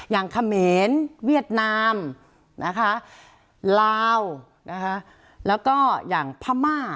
อย่างเขมรเวียดนามลาวแล้วก็อย่างพม่า